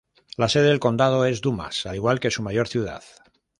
La sede del condado es Dumas, al igual que su mayor ciudad.